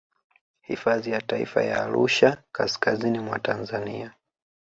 Hifadhi ya taifa ya Arusha kaskazini mwa Tanzania